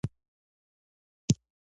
ښکل يې په سرو شونډو ځلېدله دا بېده وه.